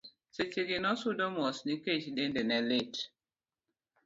seche gi nosudo mos nikech ne dende lit